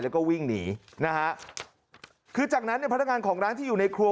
แล้วก็วิ่งหนีนะฮะคือจากนั้นเนี่ยพนักงานของร้านที่อยู่ในครัว